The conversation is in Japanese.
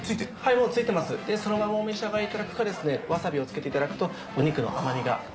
でそのままお召し上がりいただくかですねわさびを付けていただくとお肉の甘みが。